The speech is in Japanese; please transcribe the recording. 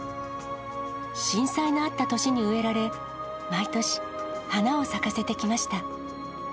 震災のあった年に植えられ、毎年、花を咲かせてきました。